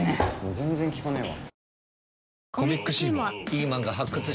全然効かねぇわ。